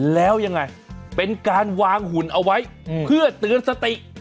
แล้วยังไงเป็นการวางหุ่นเอาไว้เพื่อเตือนสติ